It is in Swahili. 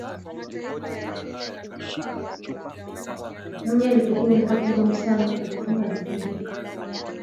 Mwinyi alipitia nyakati ngumu sana lakini alizivuka